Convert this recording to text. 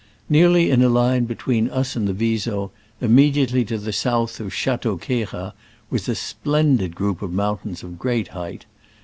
Nearly in a line between us and the Viso, immediately to the south of Cha teau Queyras, was a splendid group of mountains of great height.